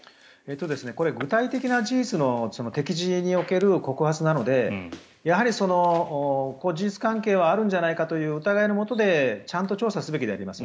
これ具体的な事実の摘示における告発なので、事実関係はあるんじゃないかという疑いのもとでちゃんと調査すべきであります。